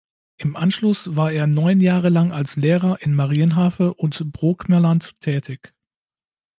Im Anschluss war er neun Jahre lang als Lehrer in Marienhafe und Brookmerland tätig.